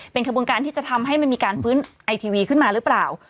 เป็นขบวนการที่จะทำให้มันมีการฟื้นไอทีวีขึ้นมาหรือเปล่า